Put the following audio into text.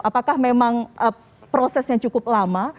apakah memang prosesnya cukup lama